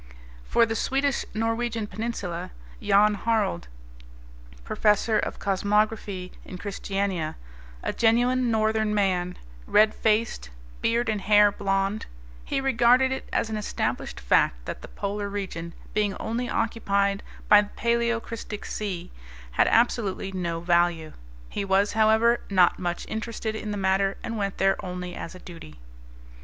For the Swedish Norwegian peninsula Jan Harald, Professor of Cosmography in Christiania; a genuine Northern man, red faced, beard and hair blond; he regarded it as an established fact that the Polar region, being only occupied by the Paleocristic Sea, had absolutely no value. He was, however, not much interested in the matter and went there only as a duty.